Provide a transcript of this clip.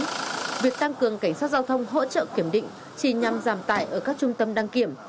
vì vậy việc tăng cường cảnh sát giao thông hỗ trợ kiểm định chỉ nhằm giảm tải ở các trung tâm đăng kiểm